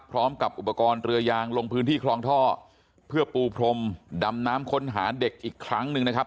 พร้อมกับอุปกรณ์เรือยางลงพื้นที่คลองท่อเพื่อปูพรมดำน้ำค้นหาเด็กอีกครั้งหนึ่งนะครับ